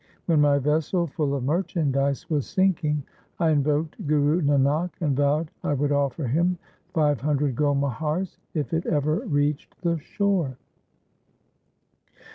When my vessel full of merchandise was sinking, I invoked Guru Nanak, and vowed I would offer him five hundred gold muhars if it ever reached the shore."